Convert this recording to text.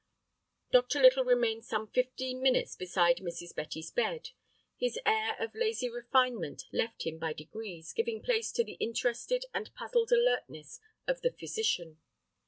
Dr. Little remained some fifteen minutes beside Mrs. Betty's bed. His air of lazy refinement left him by degrees, giving place to the interested and puzzled alertness of the physician.